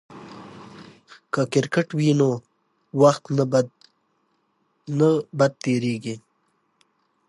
که کرکټ وي نو وخت نه بد تیریږي.